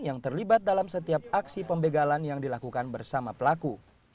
yang terlibat dalam setiap aksi pembegalan yang dilakukan bersama pelaku